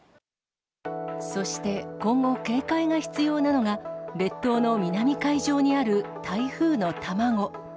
そして、今後、警戒が必要なのは列島の南海上にある台風の卵。